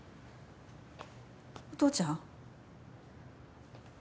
お父ちゃん。